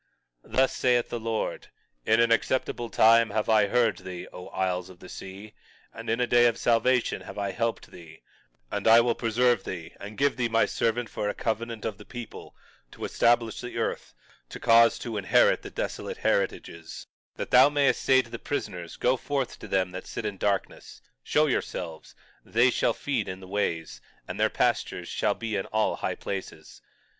21:8 Thus saith the Lord: In an acceptable time have I heard thee, O isles of the sea, and in a day of salvation have I helped thee; and I will preserve thee, and give thee my servant for a covenant of the people, to establish the earth, to cause to inherit the desolate heritages; 21:9 That thou mayest say to the prisoners: Go forth; to them that sit in darkness: Show yourselves. They shall feed in the ways, and their pastures shall be in all high places.